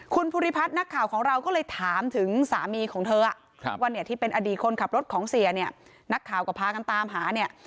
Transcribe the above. คุณภูริพัฒน์นักข่าวของเราก็เลยถามถึงสามีของเธอว่าเนี่ยที่เป็นอดีตคนขับรถของเสียเนี่ยนักข่าวก็พากันตามหาเนี่ย